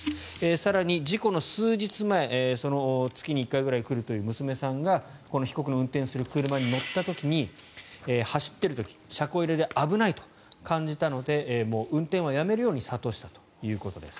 更に、事故の数日前その月に１回くらい来るという娘さんがこの被告の運転する車に乗った時に走っている時、車庫入れで危ないと感じたのでもう運転はやめるように諭したということです。